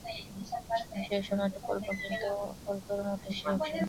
সেই সময়টুকু অল্প, কিন্তু অল্পের মধ্যে সে অসীম।